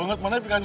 oh makasih ya